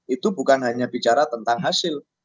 itu bukan hanya bicara tentang hasil